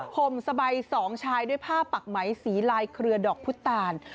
ห่มสบายสองชายด้วยผ้าปักไหมสีลายเครือดอกพุทธตาล